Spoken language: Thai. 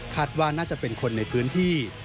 ว่าน่าจะเป็นคนในพื้นที่